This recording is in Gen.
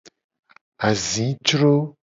Azicro.